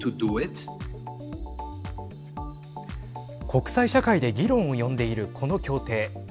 国際社会で議論を呼んでいるこの協定。